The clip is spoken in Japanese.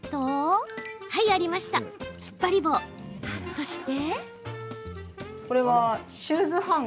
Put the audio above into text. そして。